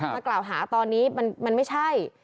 มากล่าวหาตอนนี้มันไม่ใช่